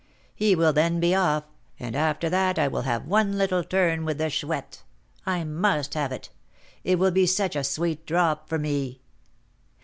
He will then be off, and after that I will have one little turn with the Chouette. I must have it; it will be such a sweet drop for me."